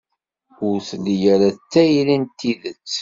Ur telli ara d tayri n tidet.